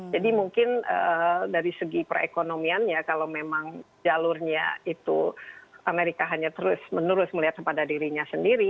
jadi mungkin dari segi perekonomian ya kalau memang jalurnya itu amerika hanya terus menurut melihat kepada dirinya sendiri